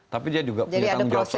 tapi dia juga punya tanggung jawab sosial